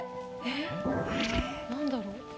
・えっ何だろう？